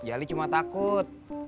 jali cuma takut